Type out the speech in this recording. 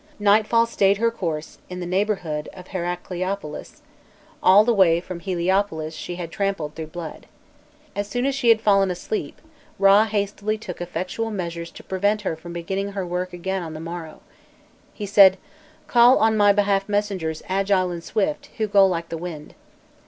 Nightfall stayed her course in the neighbourhood of Heracleopolis; all the way from Heliopolis she had trampled through blood. As soon as she had fallen asleep, Râ hastily took effectual measures to prevent her from beginning her work again on the morrow. "He said: 'Call on my behalf messengers agile and swift, who go like the wind.'